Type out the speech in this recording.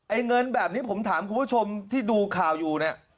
เงินแบบนี้ผมถามคุณผู้ชมที่ดูข่าวอยู่เนี่ย